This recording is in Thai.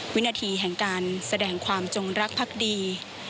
วินาทีแห่งการแสดงความจงรักพักดี